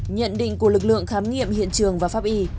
nhận định của lực lượng khám nghiệm hiện trường và pháp y